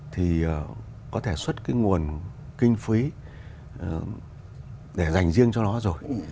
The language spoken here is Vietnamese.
thì có thể xuất cái nguồn kinh phí để dành riêng cho nó rồi